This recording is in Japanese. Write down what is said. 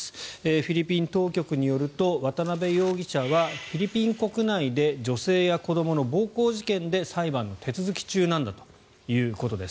フィリピン当局によると渡邉容疑者はフィリピン国内で女性や子どもの暴行事件で裁判の手続き中なんだということです。